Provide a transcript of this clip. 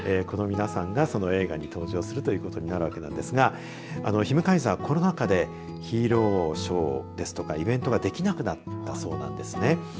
この皆さんがその映画に登場するということになるわけですがヒムカイザー、コロナ禍でヒーローショーですとかイベントができなくなったそうです。